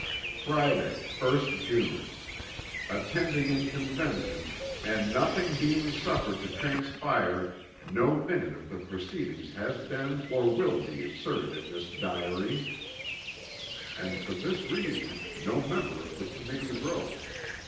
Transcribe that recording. "Friday, 1st June. "Attending in Convention and nothing being suffered to transpire no minute of the proceedings has been, or will be inserted in this diary." And for this reason, no member of the Committee wrote.